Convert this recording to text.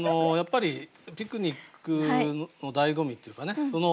やっぱりピクニックのだいご味っていうかね